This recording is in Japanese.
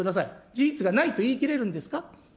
事実がないと言い切れるんですか。